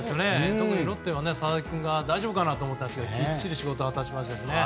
特にロッテは佐々木君が大丈夫かなと思ったんですがきっちり仕事を果たしましたし。